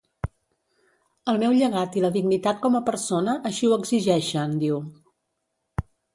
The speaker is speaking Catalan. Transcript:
El meu llegat i la dignitat com a persona així ho exigeixen, diu.